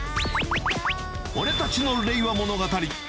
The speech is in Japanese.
俺たちの令和物語。